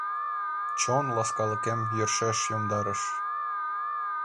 Чон ласкалыкем йӧршеш йомдарыш: